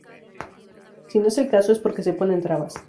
Si no es el caso, es porque se ponen trabas.